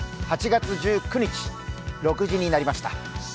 ８月１９日、６時になりました。